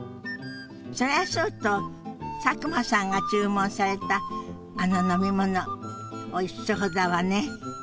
それはそうと佐久間さんが注文されたあの飲み物おいしそうだわね。